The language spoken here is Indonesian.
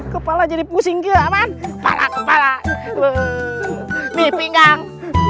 kepala jadi pusing ke aman kepala kepala di pinggang